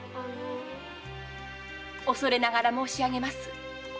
恐れながら申しあげます。